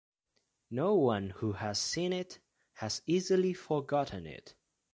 No one who has seen it has easily forgotten it.